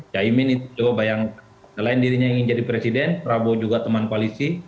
caimin itu coba bayangkan selain dirinya ingin jadi presiden prabowo juga teman koalisi